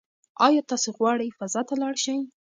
ایا تاسي غواړئ فضا ته لاړ شئ؟